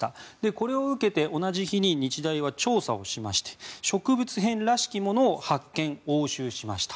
これを受けて、同じ日に日大は調査をしまして植物片らしきものを発見・押収しました。